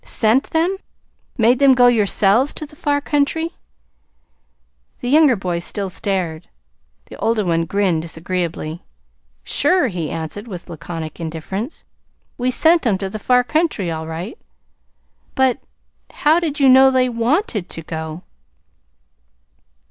"Sent them. Made them go yourselves to the far country?" The younger boy still stared. The older one grinned disagreeably. "Sure," he answered with laconic indifference. "We sent 'em to the far country, all right." "But how did you know they WANTED to go?"